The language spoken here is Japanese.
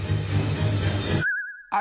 あれ？